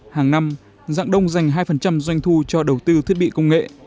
hàng năm dạng đông dành hai doanh thu cho đầu tư thiết bị công nghệ